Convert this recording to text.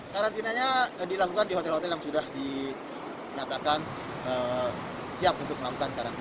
karantinanya dilakukan di hotel hotel yang sudah dinyatakan siap untuk melakukan karantina